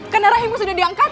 karena rahimu sudah diangkat